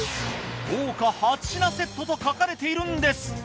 豪華８品セットと書かれているんです。